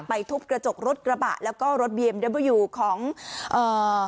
ทุบกระจกรถกระบะแล้วก็รถเบียมเดเบอร์ยูของเอ่อ